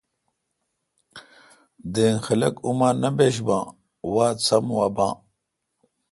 دینگ خلق اماں نہ بیش باں وات سم وا باں